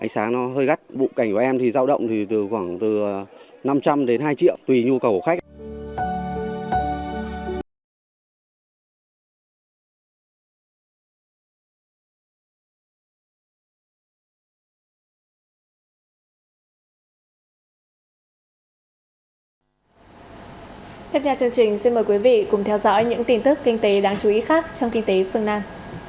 xin mời quý vị cùng theo dõi những tin tức kinh tế đáng chú ý khác trong kinh tế phương nam